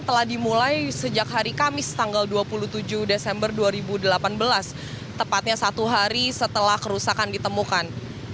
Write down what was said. telah dimulai sejak hari kamis tanggal dua puluh tujuh desember dua ribu delapan belas tepatnya satu hari setelah kerusakan ditemukan